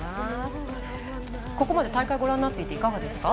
ここまで大会ご覧になっていて、いかがですか？